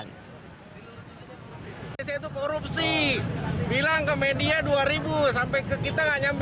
malaysia itu korupsi bilang ke media dua sampai ke kita nggak nyampe dua